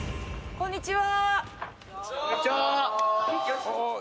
こんにちは。